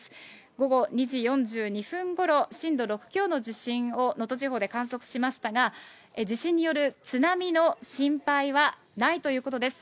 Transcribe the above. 午後２時４２分ごろ、震度６強の地震を能登地方で観測しましたが、地震による津波の心配はないということです。